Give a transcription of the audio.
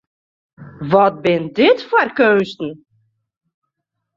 Wat binne dit foar keunsten!